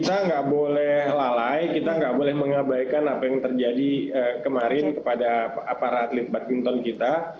kita nggak boleh lalai kita nggak boleh mengabaikan apa yang terjadi kemarin kepada para atlet badminton kita